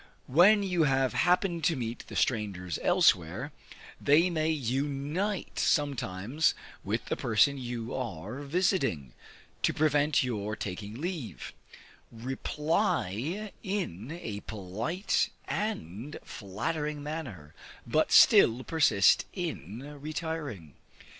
When you have happened to meet the strangers elsewhere, they may unite sometimes with the person you are visiting, to prevent your taking leave; reply in a polite and flattering manner, but still persist in retiring.